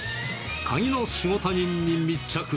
鍵の仕事人に密着！